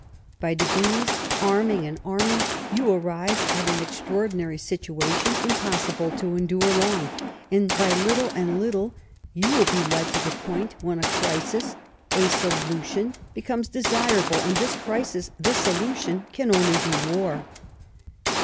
By degrees, arming and arming, you arrive at an extra ordinary situation, impossible to endure long ; and, by little and little, you will be led to the i^oint when a crisis, a solution, becomes tksirable, and this crisis, this solution, can only be war.